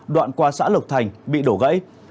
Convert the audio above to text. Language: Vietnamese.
đoạn qua xã lộc thành bị đổ gãy